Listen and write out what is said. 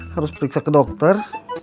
harus periksa ke dokter